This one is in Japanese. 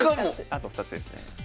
あと２つですね。